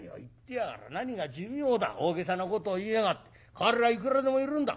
代わりはいくらでもいるんだ。